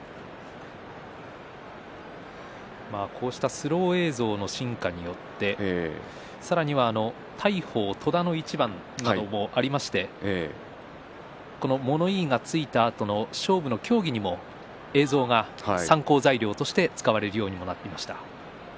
スロー映像の進化によって大鵬、戸田の一番などもありまして物言いがついたあとの勝負の協議にも、映像が参考材料として使われるようにもなってきました。